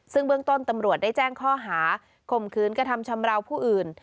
ซึ่งเบื้องต้นตำรวจได้แจ้งข้อหาข่มขืนกระทำชำราวผู้อื่น